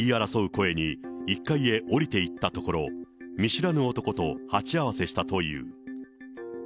声に１階へ下りていったところ、見知らぬ男と鉢合わせしたという。